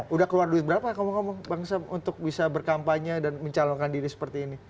udah keluar duit berapa kamu bangsa untuk bisa berkampanye dan mencalonkan diri seperti ini